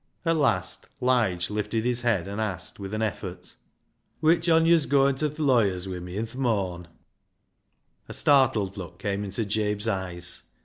At last Lige lifted his head and asked, with an effort— " Which on yo's goin' to the lawyer's wi' me i' th' morn ?" A startled look came into Jabe's eyes.